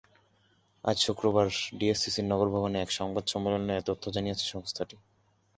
আজ শুক্রবার ডিএসসিসির নগর ভবনে এক সংবাদ সম্মেলনে এ তথ্য জানিয়েছেন সংস্থাটি।